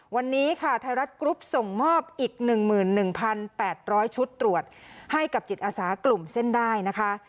วันนี้ค่ะไทยรัฐกรุ๊ปส่งมอบอีก๑๑๘๐๐ชุดตรวจให้กับจิตอาสากลุ่มเส้นได้นะคะ